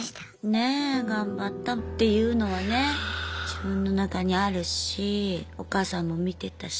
ねえ。頑張ったっていうのはね自分の中にあるしお母さんも見てたし。